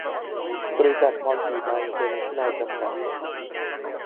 บริษัท พรสีมาอินเตอร์เนชั่นแนล จำกัด